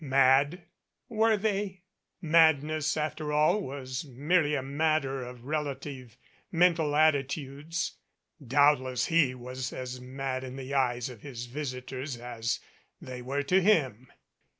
Mad! Were they? Madness after all was merely a matter of relative mental attitudes. Doubtless he was as mad in the eyes of his visitors as they we:?" to him.